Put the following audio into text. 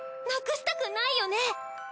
なくしたくないよね。